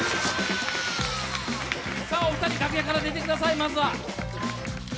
お二人、楽屋から出てください、まずは。